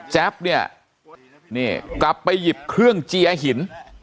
บเนี่ยนี่กลับไปหยิบเครื่องเจียหิน